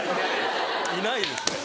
いないですね。